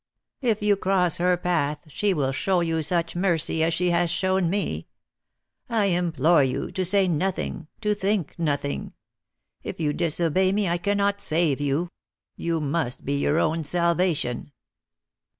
If you cross her path she will show you such mercy as she has shown me. I implore you to say nothing, to think nothing. If you disobey me I cannot save you; you must be your own salvation."